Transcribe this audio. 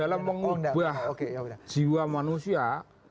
dalam mengubah jiwa manusia